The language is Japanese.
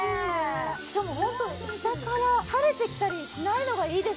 しかもホント下から垂れてきたりしないのがいいですね。